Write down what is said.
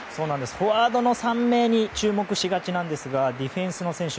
フォワードの３名に注目しがちなんですがディフェンスの選手